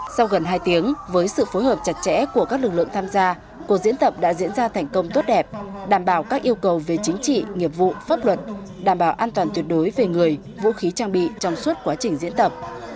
sau gần hai tiếng với sự phối hợp chặt chẽ của các lực lượng tham gia cuộc diễn tập đã diễn ra thành công tốt đẹp đảm bảo các yêu cầu về chính trị nghiệp vụ pháp luật đảm bảo an toàn tuyệt đối về người vũ khí trang bị trong suốt quá trình diễn tập